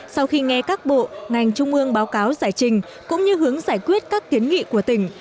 sau khi nghe các bộ ngành trung ương báo cáo giải trình cũng như hướng giải quyết các kiến nghị của tỉnh